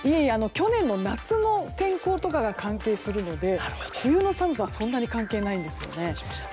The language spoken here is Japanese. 去年の夏の天候とかが関係するので冬の寒さはそんなに関係ないんです。